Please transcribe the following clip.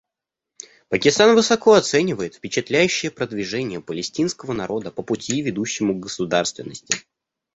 Пакистан высоко оценивает впечатляющее продвижение палестинского народа по пути, ведущему к государственности.